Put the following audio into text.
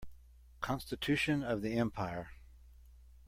Constitution of the empire.